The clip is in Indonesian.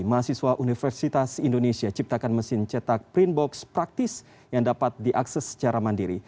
mahasiswa universitas indonesia ciptakan mesin cetak print box praktis yang dapat diakses secara mandiri